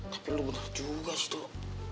tapi lu bener juga sih tuh